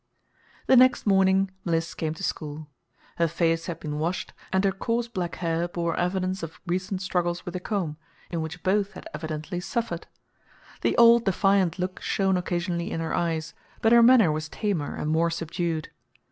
The next morning Mliss came to school. Her face had been washed, and her coarse black hair bore evidence of recent struggles with the comb, in which both had evidently suffered. The old defiant look shone occasionally in her eyes, but her manner was tamer and more subdued.